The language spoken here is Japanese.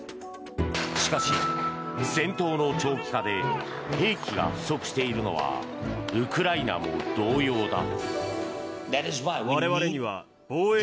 しかし、戦闘の長期化で兵器が不足しているのはウクライナも同様だ。